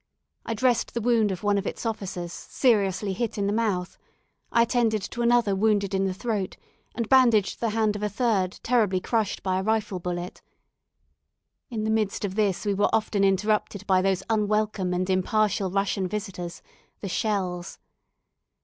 I dressed the wound of one of its officers, seriously hit in the mouth; I attended to another wounded in the throat, and bandaged the hand of a third, terribly crushed by a rifle bullet. In the midst of this we were often interrupted by those unwelcome and impartial Russian visitors the shells.